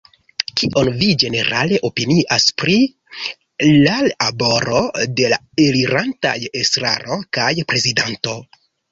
Kion vi ĝenerale opinias pri lal aboro de la elirantaj estraro kaj prezidanto?